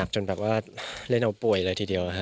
จนแบบว่าเล่นเอาป่วยเลยทีเดียว